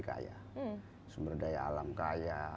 kaya sumber daya alam kaya